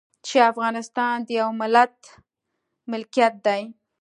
چې افغانستان د يوه ملت ملکيت دی.